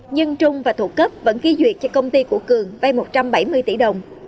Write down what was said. nhưng trung và thủ cấp vẫn ghi duyệt cho công ty của cường vay một trăm bảy mươi tỷ đồng